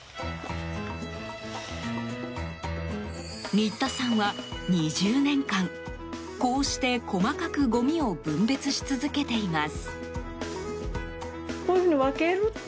新田さんは２０年間こうして細かくごみを分別し続けています。